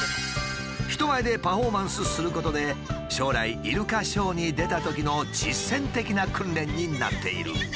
人前でパフォーマンスすることで将来イルカショーに出たときの実践的な訓練になっている。